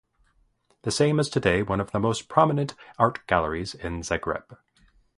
The same is today one of the most prominent art galleries in Zagreb.